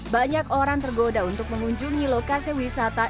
banyak orang tergoda untuk mengunjungi lokasi wisata